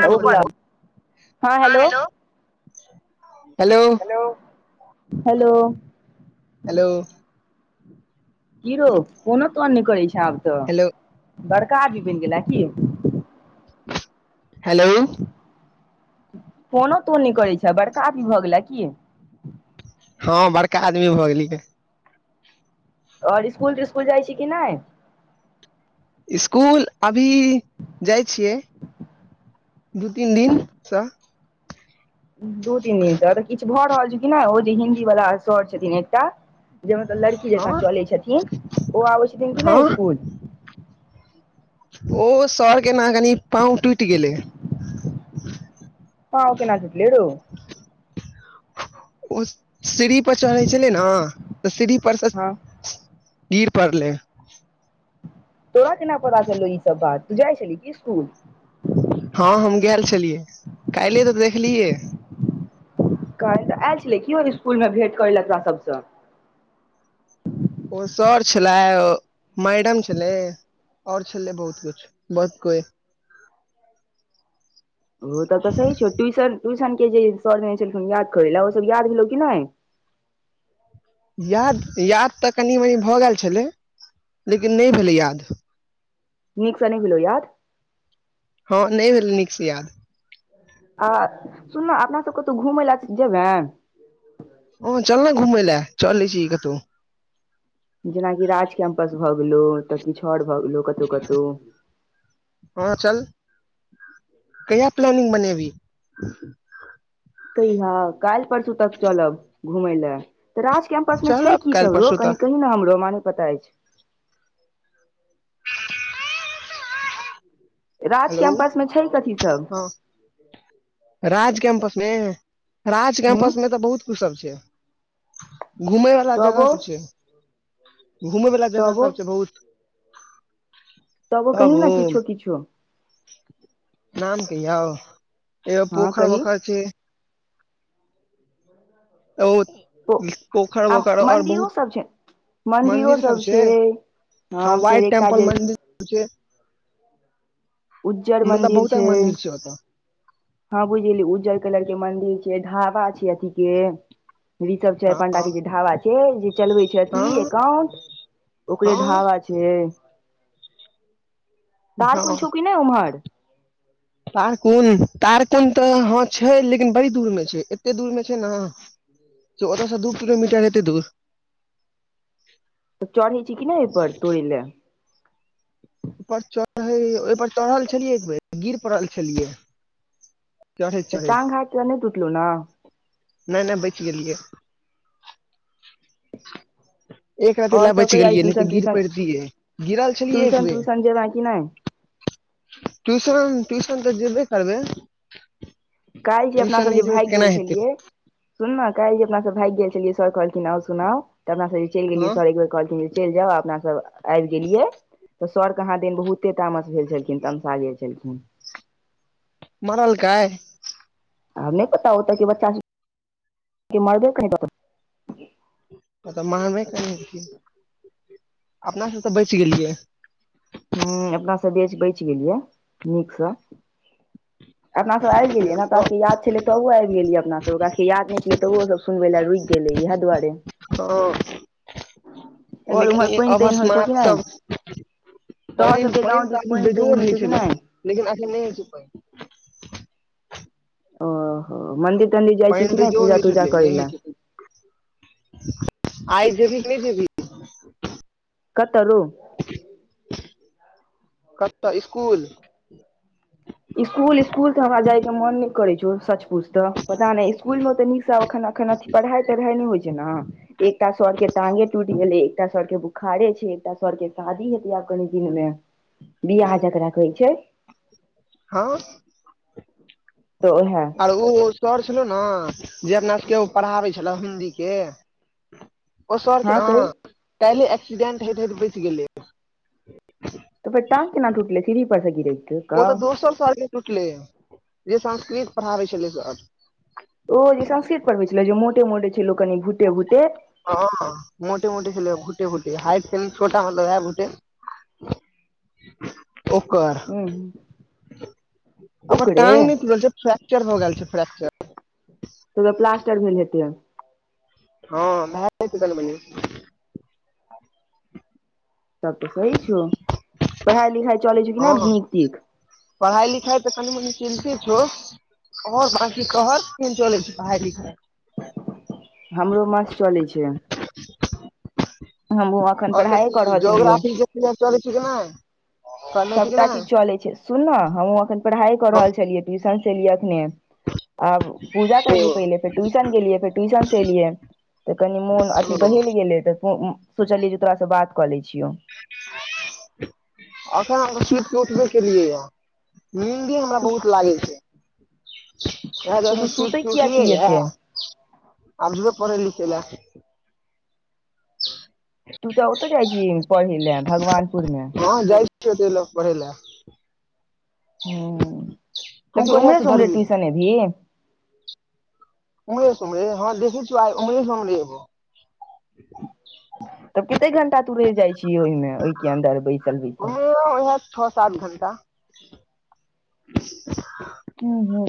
हँ हाँ hello hello, hello. Hello. कि राऊ, फोनो तोनो नहि करै छै, आब तऽ हेलो बड़का आदमी बनि गेला कि हेलो। फोनो तोन नहि करै छै, बड़का अभी भऽ गेला कि। हँ, बड़का आदमी भऽ गेलिय। ओर स्कूल तिस्कुल जाइ छी कि नहि। स्कूल अभी जाइ छियै दू तीन दिनसँ। दू तीन दिनसँ तऽ किछु भऽ रहल छै, कि नहि ओ जे हिन्दीवला सर छथिन एकटा जे मतलब लड़की जकाँ हँ चलै छथिन ओ आबै छथिन कि ने हँ स्कुल? ओ सर के न कानी पाउ टुटि गेल पाउ केना टूटलै रऽ, रउ? ओ, सीढ़ी पर चढ़ै छलै ने। तऽ सीढ़ी परसँ हँ गिर पड़ले। तोरा केना पता चललौ ई सभ बात तू जाई छलही कि स्कुल। हँ, हम गेल छलियै काल्ले तऽ देखलियए। कहल तऽ आयल छलै कओ स्कूलमे भेट करै ल अपना सभसँ। ओ, सर छलै मैडम छलै। ओर छलै बहुत कुछ, बहुत कोइ। ओ, तऽ सही छौ, टन ट्यूशनके जे सर जने छलखिन याद करे लए ओसभ याद भेल की नहि। याद याद तऽ कनि मनी भऽ गेल छलै, लेकिन नहि भेलै याद। निकसँ नहि भिलो याद। हँ, नहि भेलै निकसँ याद आ सुनना अपना सभ कतहु घुमै लए जेबै। ओ, चल ने घुमै लए, चलै छी कतौ। जेनाकि राज कैम्पस भए गेलो, तऽ किछ और भए गेलो कतहु कतहु। हँ, चल कहिया प्लानिंग बनेबिही। कहिया काल्हि परसू, तरसू चलाब घुमय लए तऽ राज कैम्पसमे छै, चलब कि काल्हि सभरो परसू कनि तक कही ने हमरो माने पता अछि। राज हेलो कैम्पसमे छै, कथि सभ। हँ राज कैम्पसमे राज हूँ कैम्पसमे तऽ बहुत। क सभ छै, घुमेय वाला जगह तबो तऽ छै। घुमय वला जगह तबो सभ छै, बहुत। तबो तब कही ने ओ किछो किछो। नाम कहि एगो हँ पोखर कही वखर छै। ओ, कखर आ वखर आओर मन्दिरो बहुत। सब छै मन्दिरो मंदिर सब सभ छै, हँ फेर व्हाइट एकटा टेम्पल जे मंदिर। पझ उज्जर मन्दिर छै। हँ, बुझी उज्जर कलरके मंदिर छै, ढाबा छै, अथि के। ऋषभ चाय हँ पांडाके जे ढाबा छै, जे चलवे छै अथि हँ एकाउंट ओकरे हँ ढाबा छै। तार हँ कोन छौ कि नहि उम्हर? तारकुन तारकुन तऽ हँ छै, लेकिन बड़ी दूरमे छै, एते दूरमे छै ने से ओतयसँ दू किलोमीटर एतै दूर। तऽ चरनी छी कि नहि ओहिपर तोरी लए। पर चढ़ ओहिपर चढ़ल छलियै एक बेर गिर पड़ल छलियै चढ़ैत तऽ चढ़ैत टांग हाथ नहि तूटलो न नय नय बच गेलियै एक राइत लए आओर सब बच कहिया गेलियै नहि तऽ ट्यूशन गिर त्यूशन पड़तियै गिरल छलियै एक ट्यूशन बेर त्यूशन जेबे कि नहि ट्यूशन ट्यूशन तऽ जेबे करबइ कहिल जे अपना सब जे भाइग गेल छलियै सुनना काल जे अपना सब भाइग गेल छलियै सर कहलखिन न सुनाउ तऽ अपना सब चलि गेलियै हँ सर कहलथि जे चइल जाउ अपना सब आबि गेलियै तऽ सर कहा दिन बहुते तामस भेल छलखिन तमशाे छलखिन मराल काय आब नय पता ओत के बच्चा मरबे कही दक मानबे करे अइछ अपना सब तऽ बच गेलियै हं अपनासँ बेच बचि गेलियै नीकसँ अपना सब आबि गेलियै ने त याद छलय तब आबि गेलियै अपना सब क याद नहि छलै तऽ ओ सब सुनबै लए रुकि गेलै इएह दुआरे हँ कनी आओर उम्हर कनी पानि अव तानि होइ छौ कि मात नहि तऽ [inaudible] तोहर पानि सबके पानि गाँव तऽ दिस एखनी तानि बेजोड़ होइ छौ होइत छै कि नहि लेकिन एखन नहि होइ छै पइन ओहो मंन्दिर तंन्दिर जाइ छी पानि कि नहि बेजोड़ होइ पूजा तूजा छलै करै नहि होइ लय छै आइ जेबी नय जेबी कतलू कतऽ स्कुल स्कूल स्कूल के हमरा जाय के मन नइ करे छै पूछत पता नइ इसकुल मे तऽ नीकसँ एखन एखन अ पढ़ाइ तढ़ाइ नहि होइ छै ने एकटा सर के टाँगे टूटि गेलै एकटा सर के बोखारे छै एकटा सर के शादी हेतै आब कनि दिन में बियाह जकरा कहै छय हाँ तऽ उहै आर ओ सर छलो ने जे अपना सबके ओ पढ़ाबै छले हिन्दी के ओ सर क हँ कही ह काल्हि एक्सीडेंट हयत हे तऽ बचि गेलिय टाँग केना टूटले सिड़ी पर सँ गिर केय ओ तऽ दोसर साल मे टुटले हे जे संस्कृत पढ़ाबे छलै सर ओ जे संस्कृत पढ़बै छलै जे मोटे मोटे छल लोक कनि भूटे भूटे हँ मोटे मोटे खेल गोटे गोटे हाइट छोटा मतलबटे ओकर हूँ अर ओकरे टांग नय तऽ त छै फ्र्चर भ गेल छै फ्र्चर तो प्लासटर भेल हेतय हँ भइ छै तऽ म तब तऽ सही छौ पढ़ाई लिखाई चलै छौ किना हँ नीक तीक पढ़ाइ लिखाइ तऽ कनि मनि चिन्तित छउ ओर बाकी तोहर केना चलै छै पढ़ाई लिखाय हमरो माछ चलै छय एखन आऔर कथ पढ़ाइए कऽ रहल छलियौ जोग्राफी चीजना ह सभटा चीज चलै छै सुन ने हमहूँ एखन पढ़ाइ कऽ रहल छलियै ट्यूशनसँ एलियै अखने आ पूजा ओ करलियै पहिले फेर ट्यूशन गेलियै फेर ट्यूशन से एलियै तऽ कनि मोन ओ अथी बहेल गेलै तऽ सोचलियै जे तोरासँ बात कऽ लै छियौ अखन हम सुइत के उठबे केेलिए य नीन्दे हमरा तू बहुत लागै छै काल्हि तऽ अहाँ तू सूत सुतै किया उठलियै छी यऽ एतेक आब जेबे पढ़े लिखै लय तू तऽ ओतय जाइ छ पढ़य ले भगवानपुर मे [unintelligible] पढ़ै लए तू हूं कहिया उमरे से सँ उमरे धरबिही टूयूशने एबही उम्हरे से उम्हरे हँ देखै छीयै आइ उम्हरे से उम्हरे एबौ तब कते घंटा तु रह जाइ छी ओहिमे ओहि के अन्दर बैसल बैसल उम्हरे उएह छओ सात घण्टा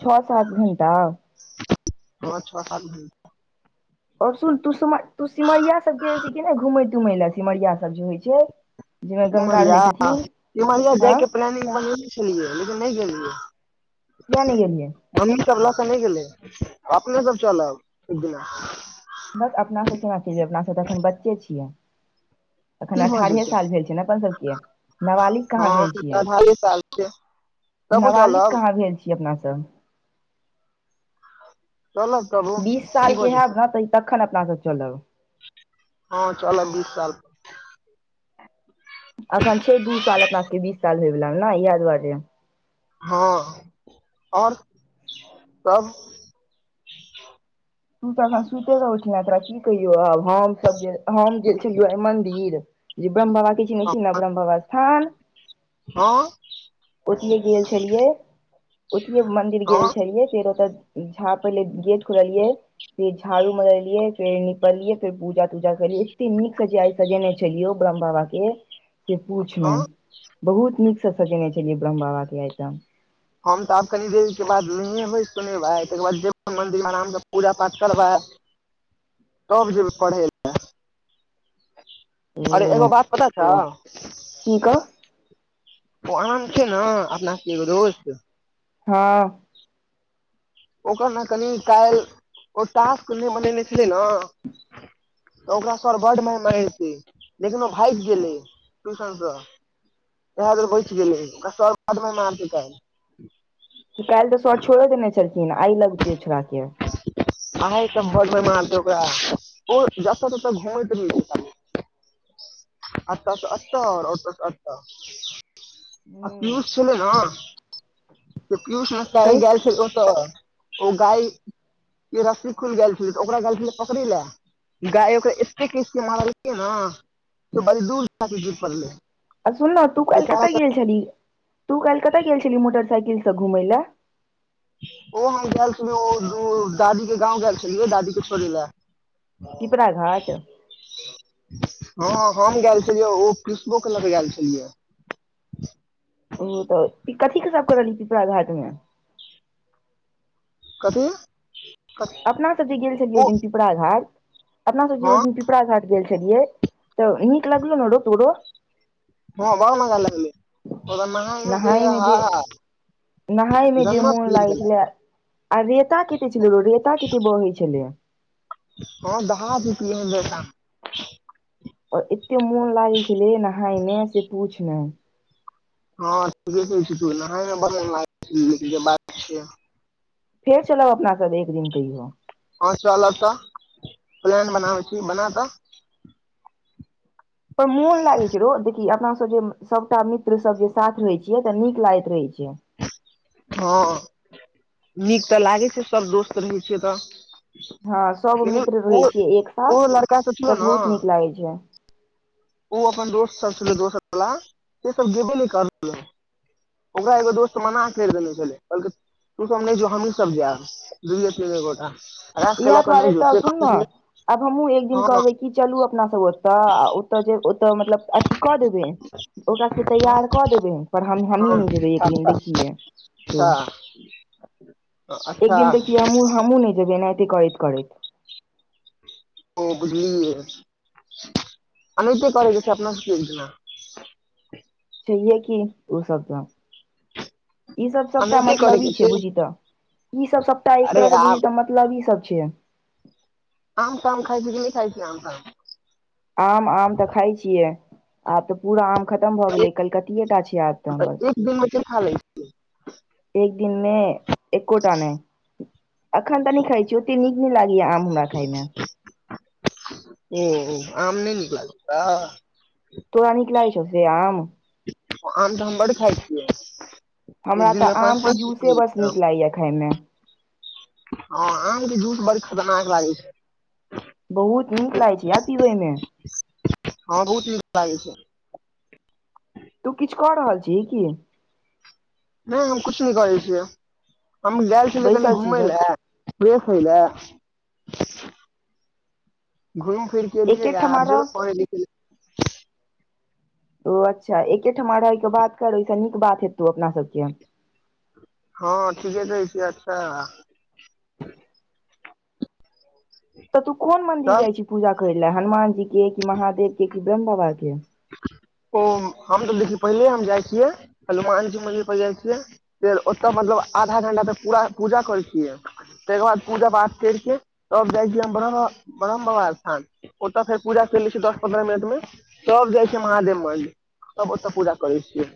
छह सात घंटा पाँच छओ सात घंटा आओर सुन तू सिम तू सिमरिया सब गेल छ कि नहि घूमै तुमय लए सिमरियाा सब जे होइ छै जाहिमे गंगा सिमरिया रहै छथिन सिमरिया हँ जायके प्लानिंग बनेेने छलियै लेकिन नहि गेलियै किया ने गेलेलियै हमी सब ल क नहि गेलै अपने सब चलब एक दिना बस अपनासँ केना चलबै अपनासँ तऽखन बच्चे छियै एखन की भऽ अठारहे जेतै साल भेल छै ने अपन सभके नाबालिग कहाँ हँ भेल छियै अठारहे साल छै तबो नाबालिग चलब कहाँ भेल छीये अपनासँ चलब तबो बीस की साल के भऽ हेब जेतै ने तऽ ई तखन अपना सब चलब हँ चलऽ बीस साल अखन छै दू साल अपना सबके बीस साल होयवाला ने इएह दुआरे हँ आओर सब तू तऽ एखन सुति कऽ उठलह तोरा की कहियौ आब हमसभ जे हम जे तू जो आय मन्दिर जे ब्रह्म बाबा किछु नहि छी ने ब्रह्म बाबा स्थान हँ ओतही गेल छलियै ओतही हम मन्दिर गेल हँ छलियै फेर ओतय झा पहिले गेट खुललियै फेर झाड़ू मरलिये फेर निपलियै फेर पूजा तूजा करलियै एते नीक सजा सजेने छलियै ओ ब्रह्म बाबा के के से हँ पूछना बहुत नीकसँ सजेने छलियै ब्रह्म बाबा के आइत हम तऽ आब कनि देर के बाद नहिबै सुनेबै तकर बाद जेब मंन्दिर मे आरामसँ पूजा पाठ करबै तब जेबय पढ़े अरे एगो ओ बात पता छौ की कह पढ़य छीये ना अपना सब के एगो दोस्त हँ ओकर ने कनि काल्हि ओ टास्क नहि बनेने छलै न तऽ ओकरा सर बड मार मारिते लेकिन ओ भागि गेलै ट्यूशनसँ इएह लेल बचि गेलै ओकरा सर बड माइर मारते कायल त काल्हि तऽ स छोइड़े देने छलखिन आइ लगते छोड़ा के आइ त बड माइर मारते ओकरा ओ जतय तत घुमैत रहय छै खाली [inaudible] अत‌अ से अत [unintelligible] ओर अच्छा आ हूँ पिययूष छले ने त पियूष ने क कही गेल छल्य ओ तऽ ओ गाय के रस्सी खुलि गेल छलै तऽ ओकरा गेल छलै पकड़ै ले गाय ओकर एते मारलै ने बड़ी दूर पलै अ सुन तू काल कतय गेल छली तू काल कतय गेल छली मोटरसइकिलसँ घुमै लऽ ओ में गेल छलिय ओ दादी के गांव गेल छलिय दादी के छोड़े ले पिपरा घाट हँ हम गेल छलियै ओ पिसबो के लऽ के गेल छलियै ओ तऽ कथीे सब कर रहलियै पिपरा घाट में कथी अपना सब जे गेल छलियै ओहि ओ दिन पिपरा घार अपना सब हँ जेहिन कपड़ा घाट गेल छलियै तऽ नीक लगलो ने रो तोरो हँ ब ने ग ललै नहाय में जे नहाय मे जे जन्नत मोन मिल लागै गेलै छलै आ रेता कते छल र रेता कत ब होइ छलय हँ दहा [unintelligible] एते मोन लागे छले नहाय मे से पूछ हँ [unintelligible] फेर चलब अपना सब एक दिन कहियो हँ चलब तऽ प्लान बनाबै छी बना तऽ ओ मोन लागै छै रो देख कि अपना सब जे सबटा मित्र सब जे साथ रहै छियै तऽ नीक लागैत रहै छियै हँ नीक तऽ लागे छै सब दोस्त रहै छियै तऽ हँ सब मित्र रहै ओ ओ लड़का सोचियो नऽ खइ छै ओ अपन दोस्त सब छल दोसर बला से सब गेबे न करले ओकरा एगो दोस्त मना करि देने छलै बलक तू तने जो हमी सब जा दुइयै तीन दोटा इएह दुआरे तऽ सुन ने आब हमहुँ एक दिन हँ कहबै की चलू अपना सब ओतऽ आ ओतऽ जे ओतऽ मतलब अथी कऽ देबै ओकरा सबके हँ तैयार कऽ देबै पर हम हमही हँ नहि जेबै एक दिन अच्छा देखियै अच्छा अच्छा एकदिन देखी हमू हमुँ नहि जेबै न एत करैत करैत ओ बुझलियै अनहिते प ग छै अपना सु एक ने [inaudible] सहिए कि ओ सब ता ई सब सबटा एनाहिते मतलबी ई करैके छै बुझी तऽ ई सब सबटा एक अरे तरहसँ आब बुझी तँ मत मतलबी सब छैै आम ताम खाय छी कि नहि खइ छै आम ताम आम आम तऽ खाइ छियै आब तऽ पूरा आम खतम भऽ गेलै कलकतिये टा छै आब तऽ बस [inaudible] एक दिनमे एकोटा नहि अखन तऽनी खाइ छी ओते न नी लागीया आम हमरा खाइमे ओ आम नहि निकल छ तोड़ा नीक लागय छौ से आम आम तऽ हम बड़ खाइ छियै एक हमरा दिन तऽ मे आम पाँच के पाँच टा जूसे बस नीक लागैए खायमे ह आम के जूस बड़ खतरनाक लागै छै बहुत नीक लागै छै यार पिबै मे हँ बहुत नीक लागै छै तू किछ कऽ रहल छिय की नहि हम कुछ नहि करै छियै हम गेएल छलै कनि बैसल छी घुमय बस लए फ्रेश होई लय घूइम फिर केलियै एके या ठमा आब जेबै रह पढ़े लिखै ले ओ अच्छा एकेठमा रहयके बात कर ओहिसँ नीक बात हेतौ अपना सबके हँ ठीके रहै छी अच्छा तऽ तू कोन मंदिर तब जाइ छी पूजा करय लेए हनुमान जी के महादेव के कि ब्रह्म बाबा के ओ हम तऽ देखिय पहिले हम जाइ छियै हनुमानजी मन्दिर पर जाइ छियै फेर ओतय मतलब आधा घंटा तऽ पूरा पूजा करै छियै तहिके बाद पूजा पाठ करिके तब जाइ छी हम ब्रह ब्रह्म बाबा स्थान ओतऽ फेर पूजा कर ले छी दस पन्द्रह मिनट मे तब जाइ छै महादेव मन्दिर तब ओतऽ पूजा करै छियै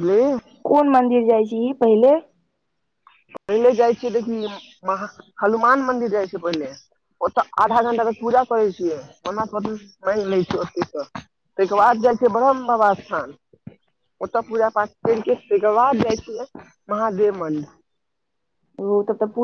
हेलो [unintelligible] कोन मंदिर जाइ छीही पहिले पहिले जाइ छियै देखि हनुमान मंदिर जाइ छियै पहिले ओतऽ आधा घंटा तक पूजा करै छियै मानि लै छिय ताहिके बाद जाइ छिय ब्रह्म बाबा स्थान ओतऽ पूजा पाठ करिक तैय के बाद जाइ छियै महादेव मन्द ओ तब तऽ